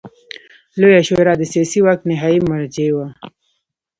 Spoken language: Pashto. لویه شورا د سیاسي واک نهايي مرجع وه.